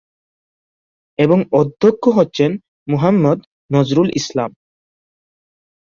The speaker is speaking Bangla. এবং অধ্যক্ষ হচ্ছেন মোহাম্মদ নজরুল ইসলাম।